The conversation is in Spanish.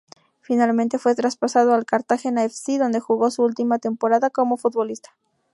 Finalmente fue traspasado al Cartagena F. C., donde jugó su última temporada como futbolista.